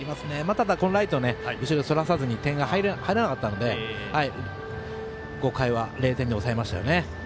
ただ、ライトも後ろにそらさずに点が入らなかったので５回は０点に抑えましたよね。